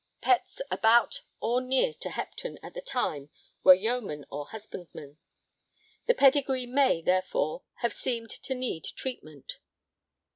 Petts about or near to Hopton at the time were yeomen or husbandmen.... The pedigree may, therefore, have seemed to need treatment.'